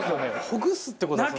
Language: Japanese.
ほぐすって事は。